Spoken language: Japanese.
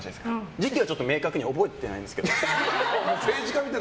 時期はちょっと明確に覚えてないんですけど。